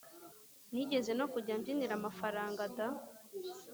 nigeze no kujya mbyinira amafaranga da!